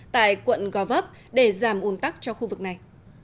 tại quận gò vấp để giảm ồn tắc cho khu vực này